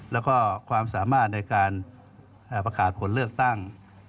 แล้วก็ความสามารถในการประกาศผลเลือกตั้ง